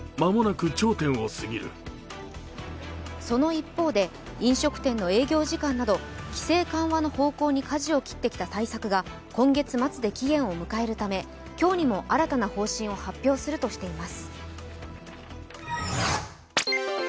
その一方で飲食店の営業時間など規制緩和の方向にかじを切ってきた対策が今月末で期限を迎えるため今日にも新たな方針を発表するとしています。